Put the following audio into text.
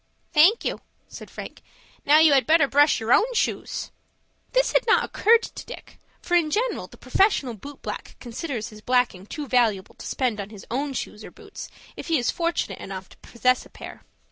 "Thank you," said Frank; "now you had better brush your own shoes." This had not occurred to Dick, for in general the professional boot black considers his blacking too valuable to expend on his own shoes or boots, if he is fortunate enough to possess a pair.